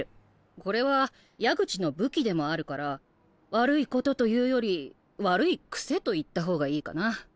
これは矢口の武器でもあるから悪いことというより悪い癖と言った方がいいかな。